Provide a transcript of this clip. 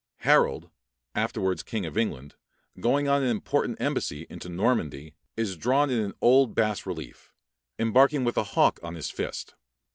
Harold, afterwards king of England, going on an important embassy into Normandy, is drawn in an old bas relief, embarking with a hawk on his fist.